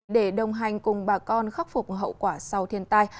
để đồng hành cùng bà con khắc phục hậu quả sau thiên tai